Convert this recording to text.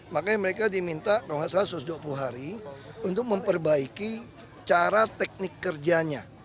makanya mereka diminta kalau tidak salah susduk buhari untuk memperbaiki cara teknik kerjanya